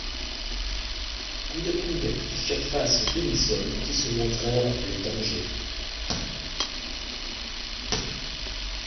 Coude à coude, ils firent face aux demi-soldes, qui se montrèrent le danger.